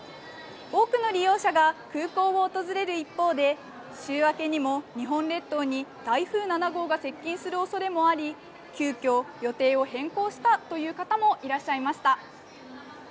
多くの利用者が空港を訪れる一方で、週明けにも日本列島に台風７号が接近するおそれもあり、急きょ、予定を変更したという方もいらっしゃいました。